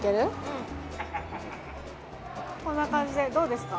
うんこんな感じでどうですか？